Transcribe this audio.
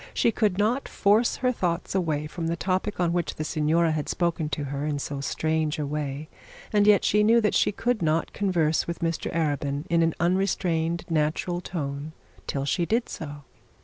She could not force her thoughts away from the topic on which the signora had spoken to her in so strange a way, and yet she knew that she could not converse with Mr Arabin in an unrestrained natural tone till she did so.